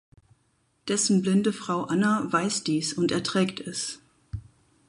Dessen blinde Frau Anna weiß dies und erträgt es.